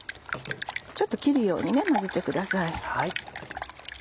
ちょっと切るように混ぜてください。